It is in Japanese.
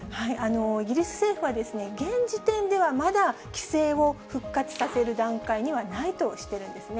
イギリス政府は、現時点ではまだ規制を復活させる段階にはないとしているんですね。